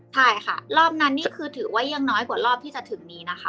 ใช่ค่ะรอบนั้นนี่คือถือว่ายังน้อยกว่ารอบที่จะถึงนี้นะคะ